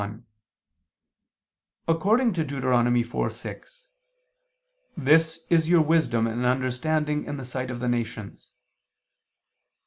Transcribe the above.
1: According to Deut. 4:6, "this is your wisdom and understanding in the sight of the nations."